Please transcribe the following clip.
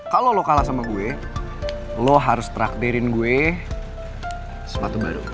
kalau lo kalah sama gue lo harus traktirin gue sepatu baru